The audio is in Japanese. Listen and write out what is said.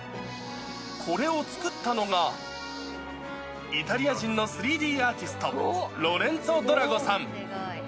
これを作ったのが、イタリア人の３Ｄアーティスト、ロレンツォ・ドラゴさん。